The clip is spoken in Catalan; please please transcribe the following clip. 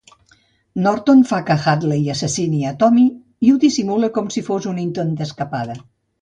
Norton fa que Hadley assassini a Tommy i ho dissimula com si fos un intent d'escapada.